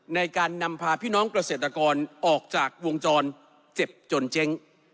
ในการนำพาพี่น้องเกษตรกรออกจากวงจรเจ็บจนเจ๊ง